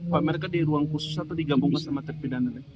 pak mereka di ruang khusus atau digabungkan sama terpidana